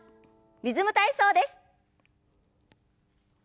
「リズム体操」です。